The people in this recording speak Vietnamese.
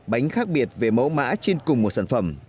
bánh khác biệt về mẫu mã trên cùng một sản phẩm